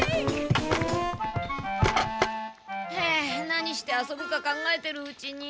何して遊ぶか考えてるうちに。